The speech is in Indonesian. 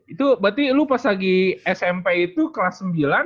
itu berarti lu pas lagi smp itu kelas sembilan